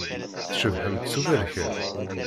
Tcebḥemt s uberkan.